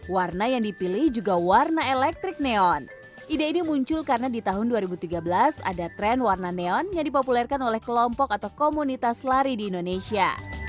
warna yang dipilih juga warna elektrik neon ide ini muncul karena di tahun dua ribu tiga belas ada tren warna neon yang dipopulerkan oleh kelompok atau komunitas lari di indonesia